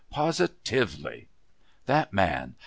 Positively! That man!